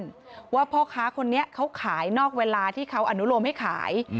เพราะว่าพ่อค้าคนนี้เขาขายนอกเวลาที่เขาอนุโลมให้ขาย